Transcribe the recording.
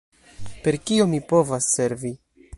Per kio mi povas servi?